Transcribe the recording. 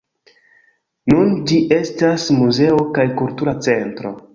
Nun ĝi estas muzeo kaj kultura centro.